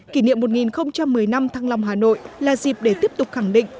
kỷ niệm một nghìn một mươi năm thăng long hà nội là dịp để tiếp tục khẳng định